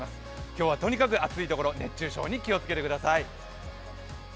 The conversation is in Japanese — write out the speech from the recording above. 今日はとにかく暑いところ、熱中症に気をつけてください。